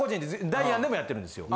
ダイアンでもやってるんですよ。